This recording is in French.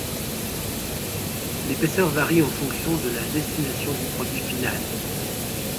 L'épaisseur varie en fonction de la destination du produit final.